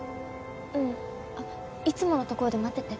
うん。あっいつもの所で待ってて。